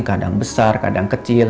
kadang besar kadang kecil